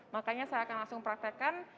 makanya saya akan langsung praktekkan